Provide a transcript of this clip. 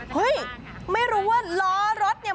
เฮ้ยไม่รู้ว่าล้อรถเนี่ย